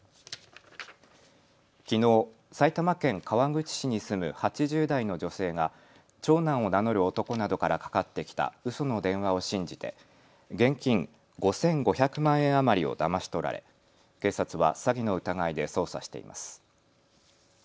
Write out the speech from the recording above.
きのう埼玉県川口市に住む８０代の女性が長男を名乗る男などからかかってきたうその電話を信じて現金５５００万円余りをだまし取られ、警察は詐欺の疑いで捜査しています。